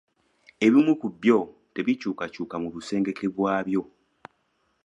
Ebimu ku byo tebikyukakyuka mu busengeke bwabyo.